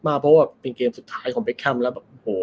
เพราะว่าเป็นเกมสุดท้ายของเบคแคมป์แล้วแบบโห